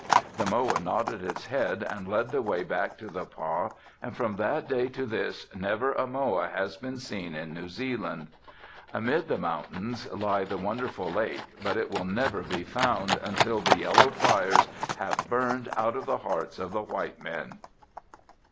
"The moa nodded his head and led the way back to the pah and from that day to this never a moa has been seen in New Zealand. Amid the mountains lies the wonderful lake but it will never be found until the yellow fires have burned out of the hearts of the white men."